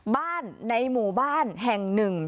ในหมู่บ้านแห่งหนึ่ง